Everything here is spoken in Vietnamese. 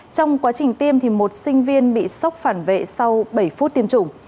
trong quá trình tiêm một sinh viên bị sốc phản vệ sau bảy phút tiêm chủng